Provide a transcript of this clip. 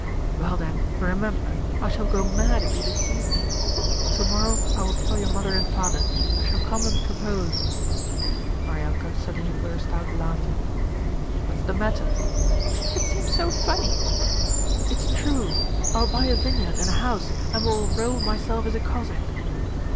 'Well then remember, I shall go mad if you deceive me. To morrow I will tell your mother and father. I shall come and propose.' Maryanka suddenly burst out laughing. 'What's the matter?' 'It seems so funny!' 'It's true! I will buy a vineyard and a house and will enroll myself as a Cossack.'